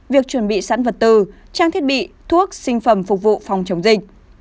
việc chuẩn bị sẵn vật tư trang thiết bị thuốc sinh phẩm phục vụ phòng chống dịch